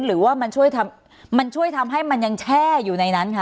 หรือว่ามันช่วยมันช่วยทำให้มันยังแช่อยู่ในนั้นคะ